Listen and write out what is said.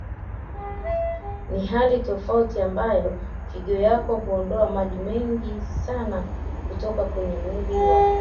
Ni hali tofauti ambayo figo yako huondoa maji mengi sana kutoka kwenye mwili wako